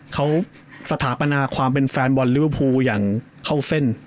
เขาสถาปนาความเป็นแฟนบอลลิเวอร์พูลอย่างเข้าเส้น